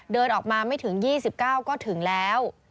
เดินออกมาไม่ถึง๒๙ก็ถึงแล้ว